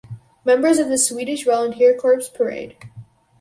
Members of the Swedish Volunteer Corps parade.